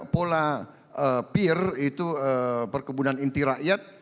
pola peer itu perkebunan inti rakyat